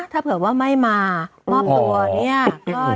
ถ้าเผื่อว่าไม่มามอบตัวเนี่ย